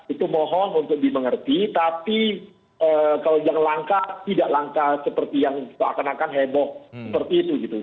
itu mohon untuk dimengerti tapi kalau yang langka tidak langka seperti yang seakan akan heboh seperti itu gitu